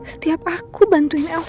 setiap akar aku lupa nanya ricky itu apa